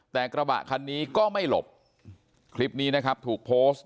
แต่กระบะคันนี้ก็ไม่หลบคลิปนี้นะครับถูกโพสต์